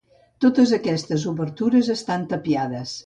Totes aquestes obertures estan tapiades.